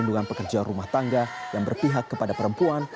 kandungan pekerja rumah tangga yang berpihak kepada perempuan